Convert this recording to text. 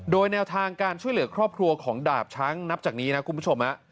โดยแนวทางการช่วยเหลือครอบครัวของดาบช้างนับจากนี้นะคุณผู้ชม